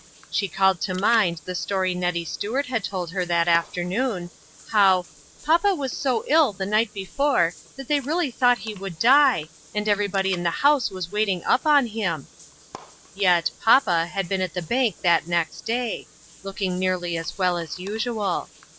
She called to mind the story Nettie Stuart had told her that afternoon, how 11 WHY ? 23 " papa was so ill the night before that they really thought he would die, and everybody in the house was up waiting on him." Yet "papa "had been at the bank that next day, looking nearly as well as usual.